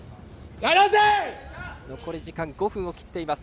残り時間５分を切っています。